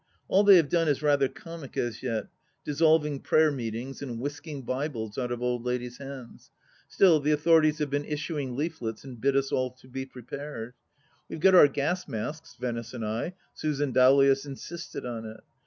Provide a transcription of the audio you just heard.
All they have done is rather comic as vet : dissolving prayer meetings and whisking Bibles out of old ladies' hands. Still, the authorities have been issuing leaflets and bid us all be prepared. We have got our gas masks, Venice and I — Susan Dowlais insisted on it.